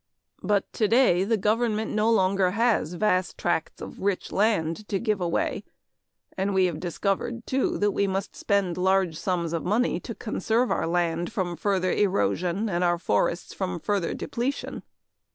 But today the government no longer has vast tracts of rich land to give away and we have discovered, too, that we must spend large sums of money to conserve our land from further erosion and our forests from further depletion.